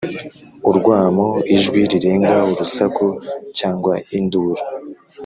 urwamo: ijwi rirenga, urusaku cyangwa induru